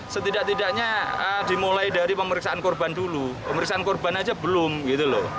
setidak tidaknya dimulai dari pemeriksaan korban dulu pemeriksaan korban aja belum gitu loh